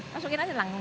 masukin aja langsung